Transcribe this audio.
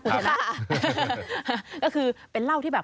ก็คือเป็นเหล้าที่แบบ